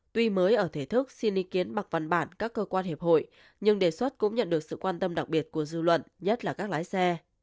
tuy mới ở thể thức xin ý kiến bằng văn bản các cơ quan hiệp hội nhưng đề xuất cũng nhận được sự quan tâm đặc biệt của dư luận nhất là các lái xe